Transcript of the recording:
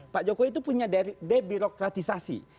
pak jokowi itu punya debirokratisasi